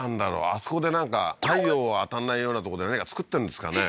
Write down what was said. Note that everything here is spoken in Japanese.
あそこでなんか太陽当たんないようなとこで何か作ってるんですかね？